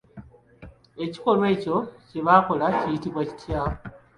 Ekikolwa ekyo kye bakola kiyitibwa kitya?